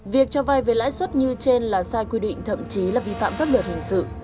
việc cho vay về lãi suất như trên là sai quy định thậm chí là vi phạm pháp luật hình sự